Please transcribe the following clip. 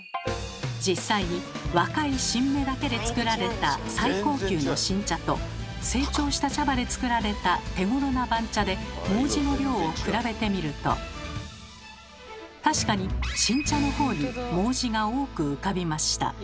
実際に若い新芽だけで作られた最高級の新茶と成長した茶葉で作られた手ごろな番茶で毛茸の量を比べてみると確かに新茶の方に毛茸が多く浮かびました。